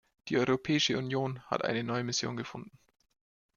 Die Europäische Union hat eine neue Mission gefunden.